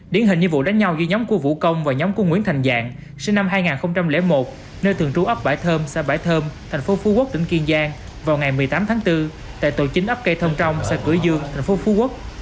điển hình như vụ đánh nhau ghi nhóm của vũ công và nhóm của nguyễn thành dạng sinh năm hai nghìn một nơi thường trú ấp bảy thơm xã bãi thơm thành phố phú quốc tỉnh kiên giang vào ngày một mươi tám tháng bốn tại tổ chính ấp cây thông trong xã cửa dương tp phú quốc